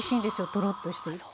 とろっとしていて。